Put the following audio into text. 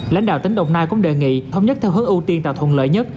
lãnh đạo tỉnh đồng nai cũng đề nghị thống nhất theo hướng ưu tiên tạo thuận lợi nhất